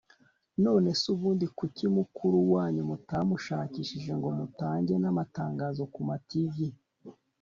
nonese ubundi kuki mukuru wanyu mutamushakishije ngo mutange namatangazo kuma tv